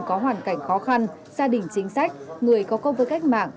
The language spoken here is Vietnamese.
có hoàn cảnh khó khăn xa đỉnh chính sách người có công với cách mạng